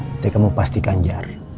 nanti kamu pastikan jar